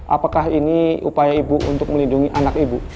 apakah ini upaya ibu untuk melindungi anak ibu